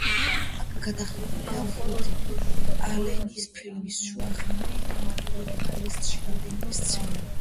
აქ გადაღებულია ვუდი ალენის ფილმის „შუაღამე პარიზში“ რამდენიმე სცენა.